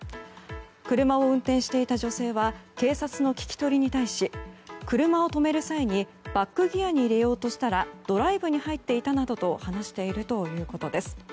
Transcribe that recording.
車を運転していた女性は警察の聞き取りに対し車を止める際にバックギアに入れようとしたらドライブに入っていたなどと話しているということです。